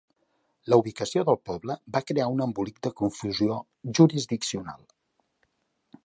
La ubicació del poble va crear un embolic de confusió jurisdiccional.